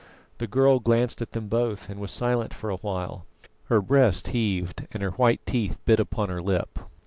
The girl glanced at them both and was silent for a while. Her breast heaved and her white teeth bit upon her lip.